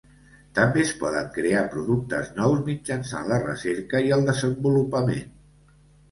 També es poden crear productes nous mitjançant la recerca i el desenvolupament.